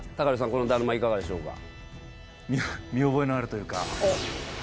このだるまいかがでしょうか？